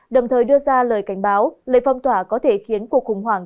đồng thời đưa ra lời cảnh báo lệnh phong tỏa có thể khiến cuộc khủng hoảng